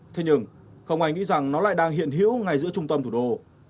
thế nhưng không ai nghĩ rằng nó lại đang hiện hữu ngay giữa trung tâm thủ đô